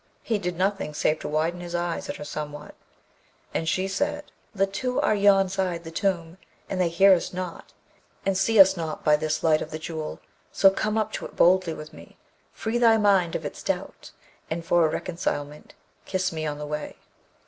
He did nothing save to widen his eye at her somewhat; and she said, 'The two are yonside the tomb, and they hear us not, and see us not by this light of the Jewel; so come up to it boldly with me; free thy mind of its doubt, and for a reconcilement kiss me on the way.'